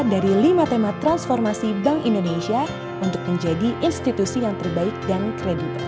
dari lima tema transformasi bank indonesia untuk menjadi institusi yang terbaik dan kredibel